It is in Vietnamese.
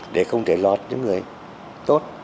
để không thể lót những người tốt